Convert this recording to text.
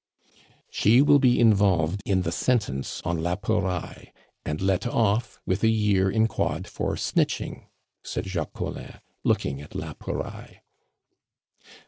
"She will be involved in the sentence on la Pouraille, and let off with a year in quod for snitching," said Jacques Collin, looking at la Pouraille.